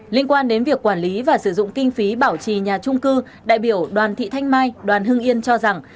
liên quan đến việc quản lý và sử dụng kinh phí bảo trì nhà trung cư đại biểu đoàn thị thanh mai đoàn hưng yên cho rằng